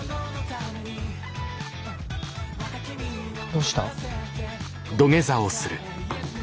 どうした？